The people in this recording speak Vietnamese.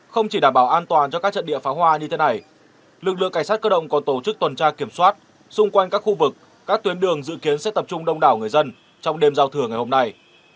không chỉ đảm bảo an toàn cho các trận địa pháo hoa như thế này lực lượng cảnh sát cơ động còn tổ chức tuần tra kiểm soát xung quanh các khu vực các tuyến đường dự kiến sẽ tập trung đông đảo người dân trong đêm giao thừa ngày hôm nay